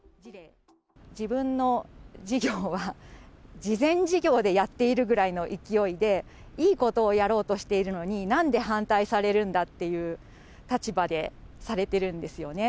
自分の事業は慈善事業でやっているぐらいの勢いで、いいことをやろうとしているのに、なんで反対されるんだっていう立場でされてるんですよね。